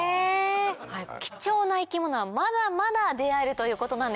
貴重な生き物はまだまだ出合えるということなんで。